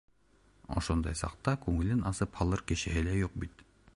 Ошондай саҡта күңелен асып һалыр кешеһе лә юҡ бит.